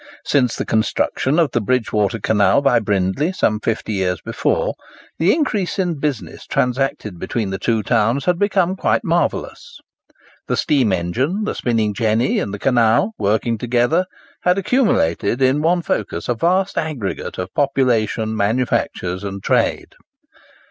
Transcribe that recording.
Since the construction of the Bridgewater Canal by Brindley, some fifty years before, the increase in the business transacted between the two towns had become quite marvellous. The steam engine, the spinning jenny, and the canal, working together, had accumulated in one focus a vast aggregate of population, manufactures, and trade.